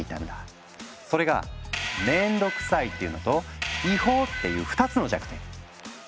それが「面倒くさい」っていうのと「違法」っていう２つの弱点。